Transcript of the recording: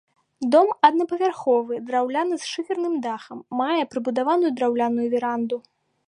Дом аднапавярховы, драўляны з шыферным дахам, мае прыбудаваную драўляную веранду.